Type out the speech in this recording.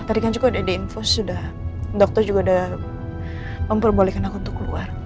tadi kan juga udah diinfos dokter juga udah memperbolehkan aku keluar